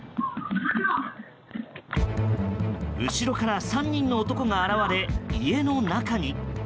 後ろから３人の男が現れ家の中に。